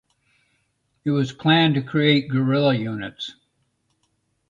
It was planned to create guerrilla units.